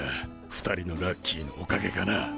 ２人のラッキーのおかげかな。